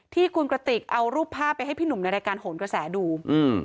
ที่คุณกระติกเอารูปภาพไปให้พี่หนุ่มในรายการโหนกระแสดูอืม